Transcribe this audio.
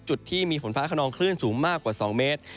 จุดที่มีฝนฟ้าขนองคลื่นสูงมากกว่า๒เมตร